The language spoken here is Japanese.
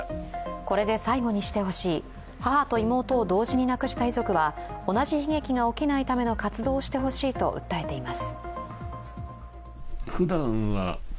これで最後にしてほしい母と妹を同時に亡くした遺族は同じ悲劇が起きないための活動をしてほしいと訴えています。